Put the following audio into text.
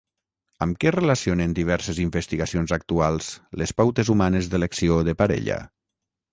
Amb què relacionen diverses investigacions actuals les pautes humanes d'elecció de parella?